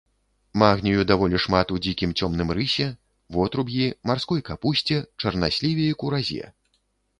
Магнію даволі шмат у дзікім цёмным рысе, вотруб'і, марской капусце, чарнасліве і куразе.